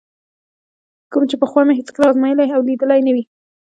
کوم چې پخوا مې هېڅکله ازمایلی او لیدلی نه وي.